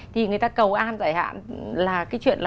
thì người ta cầu an giải hạn là cái chuyện là